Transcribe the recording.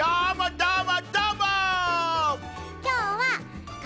どーも！